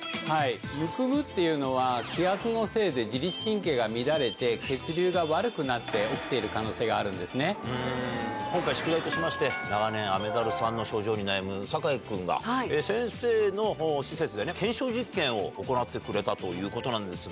むくむっていうのは、気圧のせいで、自律神経が乱れて、血流が悪くなって起きている可能今回、宿題としまして、長年、雨ダルさんの症状に悩む酒井君が、先生の施設で検証実験を行ってくれたということなんですが。